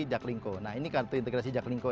jaklingco nah ini kartu integrasi jaklingco